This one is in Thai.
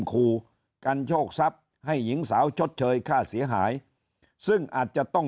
คู่กันโชคทรัพย์ให้หญิงสาวชดเชยค่าเสียหายซึ่งอาจจะต้อง